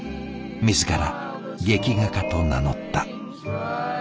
自ら劇画家と名乗った。